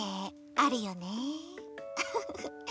ウフフッ。